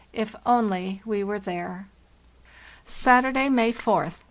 If only we were there! "Saturday, May 4th.